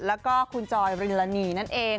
แล้วก็คุณจอยริลานีนั่นเอง